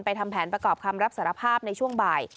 ทำแผนประกอบคำรับสารภาพในช่วงบ่าย